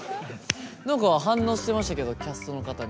何か反応してましたけどキャストの方に。